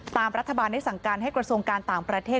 ตามรัฐบาลได้สั่งการให้กระทรวงการต่างประเทศ